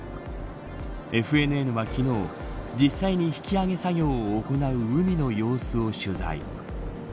ＦＮＮは昨日実際に引き揚げ作業を行う海の様子を取材。